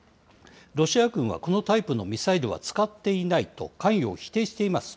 ロシア軍はこのタイプのミサイルは使っていないと関与を否定しています。